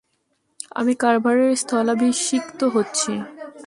আমি কার্ভারের স্থলাভিষিক্ত হচ্ছি?